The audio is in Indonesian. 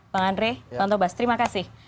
bang andre bang tobas terima kasih